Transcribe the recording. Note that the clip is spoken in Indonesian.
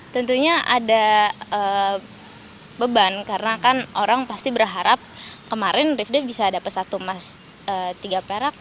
tentunya ada beban karena kan orang pasti berharap kemarin rifday bisa dapat satu emas tiga perak